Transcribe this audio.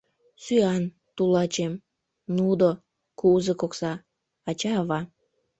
«Сӱан... тулачем... нудо... кузык окса... ача-ава...».